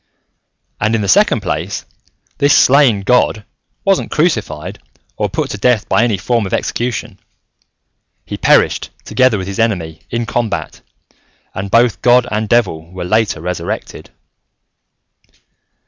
"And, in the second place, this slain god wasn't crucified, or put to death by any form of execution: he perished, together with his enemy, in combat, and both god and devil were later resurrected."